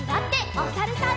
おさるさん。